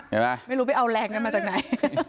ไม่รู้ไปเอาแรงกันมาจากไหน